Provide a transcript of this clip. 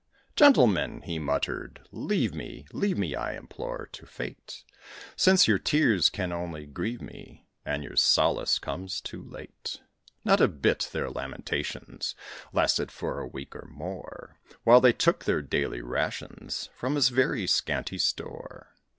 "Gentlemen!" he muttered, "leave me, Leave me, I implore, to fate: Since your tears can only grieve me, And your solace comes too late." Not a bit; their lamentations Lasted for a week, or more; [Illustration: THE SICK STAG.] While they took their daily rations From his very scanty store.